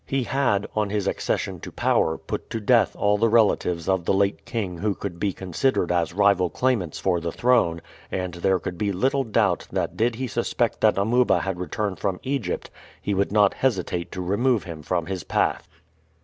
He had, on his accession to power, put to death all the relatives of the late king who could be considered as rival claimants for the throne, and there could be little doubt that did he suspect that Amuba had returned from Egypt he would not hesitate to remove him from his path.